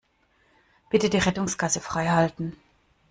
Bitte die Rettungsgasse freihalten.